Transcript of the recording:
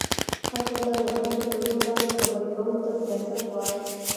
خلکو سره د خلکو په ژبه باندې خبرې کولو ته سياست وايه